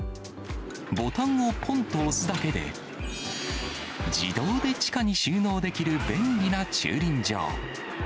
ボタンをぽんと押すだけで、自動で地下に収納できる便利な駐輪場。